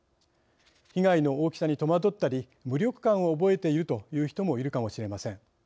被害の大きさに戸惑ったり無力感をおぼえているという人もいるかもしれません。